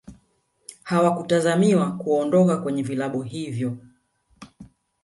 hawakutazamiwa kuondoka kwenye vilabu hivyo